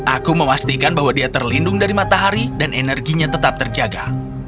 aku memastikan bahwa dia terlindung dari matahari dan energinya tetap terjaga